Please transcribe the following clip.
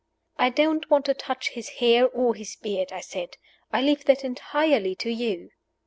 "I don't want to touch his hair or his beard," I said. "I leave that entirely to you."